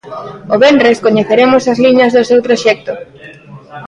O venres coñeceremos as liñas do seu proxecto.